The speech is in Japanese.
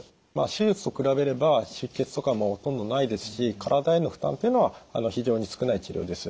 手術と比べれば出血とかもほとんどないですし体への負担というのは非常に少ない治療です。